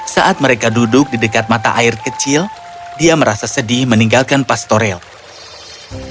saat mereka duduk di dekat mata air kecil dia merasa sedih meninggalkan pastorel